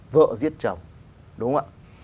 vợ giết chồng